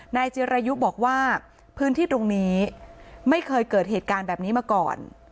จิรายุบอกว่าพื้นที่ตรงนี้ไม่เคยเกิดเหตุการณ์แบบนี้มาก่อน